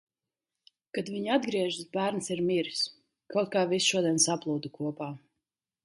Kad viņi atgriežas, bērns ir miris. Kaut kā viss šodien saplūda kopā.